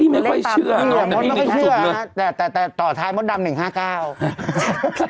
พี่ไม่ค่อยเชื่อแต่ต่อท้ายมันดำ๑๕๙